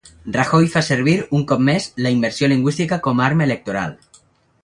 Rajoy fa servir, un cop més, la immersió lingüística com a arma electoral.